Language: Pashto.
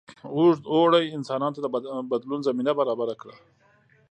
اوږد اوړي انسانانو ته د بدلون زمینه برابره کړه.